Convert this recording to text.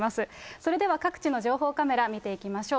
それでは各地の情報カメラ見ていきましょう。